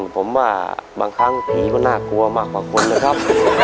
ผมว่าบางครั้งผีมันน่ากลัวมากกว่าคนนะครับ